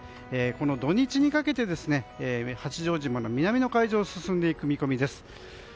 この土日にかけて八丈島の南の海上を進んでいく見込みです。